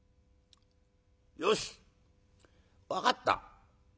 よし分かった。